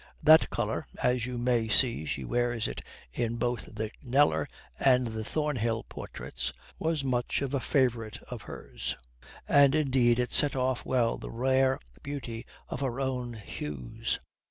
That colour as you may see, she wears it in both the Kneller and the Thornhill portraits was much a favourite of hers, and indeed it set off well the rare beauty of her own hues.